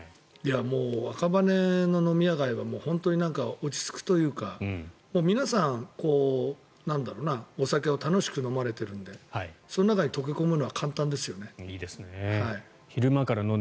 赤羽の飲み屋街は本当に落ち着くというか皆さん、お酒を楽しく飲まれているのでその中に溶け込むのは簡単ですよね。